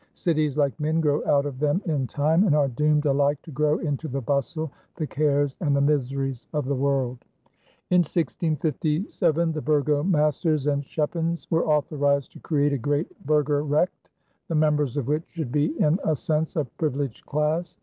Cities, like men, grow out of them in time and are doomed alike to grow into the bustle, the cares and the miseries of the world." In 1657 the burgomasters and schepens were authorized to create a great burger recht the members of which should be in a sense a privileged class.